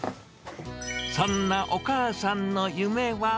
そんなお母さんの夢は。